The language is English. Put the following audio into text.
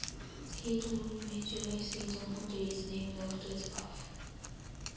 The Hilton London Angel Islington Hotel is named after the pub.